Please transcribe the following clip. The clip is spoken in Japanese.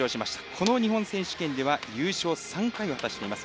この日本選手権では優勝３回を果たしています。